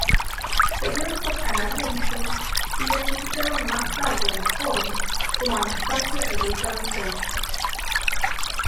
Periódicos canadienses identificaron más tarde a la joven como Anastasia Rebecca De Sousa.